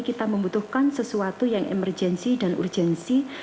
kita membutuhkan sesuatu yang emergensi dan urgensi